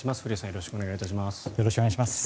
よろしくお願いします。